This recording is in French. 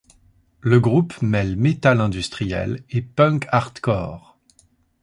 Le groupe mêle metal industriel et punk hardcore.